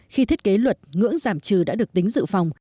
khi thiết kế luật ngưỡng giảm trừ đã được tính dự phòng